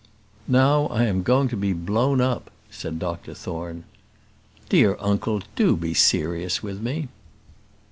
"Now I am going to be blown up," said Dr Thorne. "Dear uncle, do be serious with me."